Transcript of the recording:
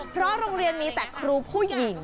เพราะโรงเรียนมีแต่ครูผู้หญิง